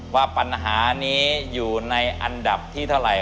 ว่าปัญหานี้อยู่ในอันดับที่เท่าไหร่